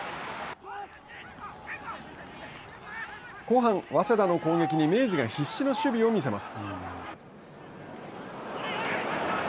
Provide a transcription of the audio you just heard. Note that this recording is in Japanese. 後半、早稲田の攻撃に明治が必死の守備を見せます。